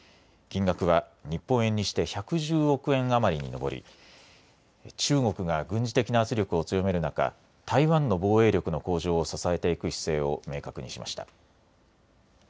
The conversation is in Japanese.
金額は日本円にして１１０億円余りに上り中国は軍事的な圧力を強める中、台湾の防衛力の向上を支えていく姿勢を明確にしました。